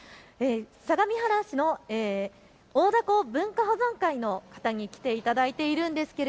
相模原市の大凧文化保存会の皆さんに来ていただいています。